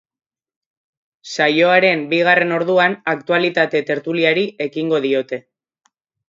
Saioaren bigarren orduan aktualitate tertuliari ekingo diote.